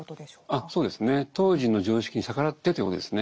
あそうですね。当時の常識に逆らってということですね。